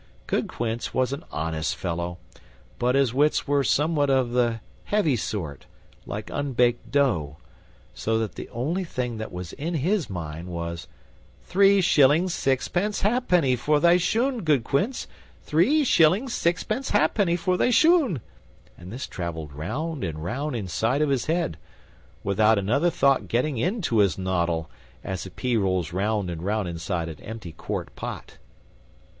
Good Quince was an honest fellow, but his wits were somewhat of the heavy sort, like unbaked dough, so that the only thing that was in his mind was, "Three shillings sixpence ha'penny for thy shoon, good Quince three shillings sixpence ha'penny for thy shoon," and this traveled round and round inside of his head, without another thought getting into his noddle, as a pea rolls round and round inside an empty quart pot.